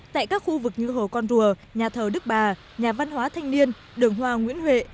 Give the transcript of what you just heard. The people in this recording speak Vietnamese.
tại các khu vực như hồ con rùa nhà thờ đức bà nhà văn hóa thanh niên đường hoa nguyễn huệ